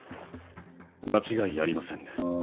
間違いありませんね。